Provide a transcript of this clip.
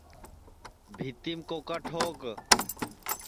بھِیتِیم کوکا ٹھوک